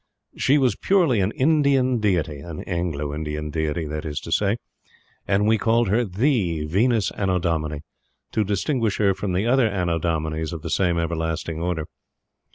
She was purely an Indian deity an Anglo Indian deity, that is to say and we called her THE Venus Annodomini, to distinguish her from other Annodominis of the same everlasting order.